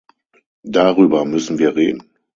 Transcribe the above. Darüber müssen wir reden.